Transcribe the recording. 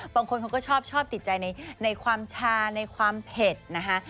บางคนเขาก็ชอบติดใจในความชาในความเผ็ดนะคะ